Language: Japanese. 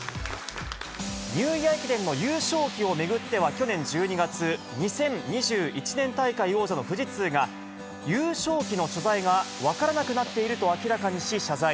ニューイヤー駅伝の優勝旗を巡っては、去年１２月、２０２１年大会王者の富士通が、優勝旗の所在が分からなくなっていると明らかにし、謝罪。